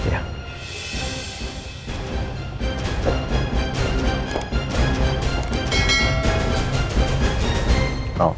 tentang tentang tentang